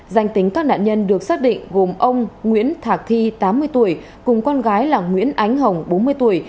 danh tính các nạn nhân được xác định gồm ông nguyễn thạc thi tám mươi tuổi cùng con gái là nguyễn ánh hồng bốn mươi tuổi